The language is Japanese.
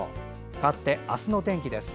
かわって明日の天気です。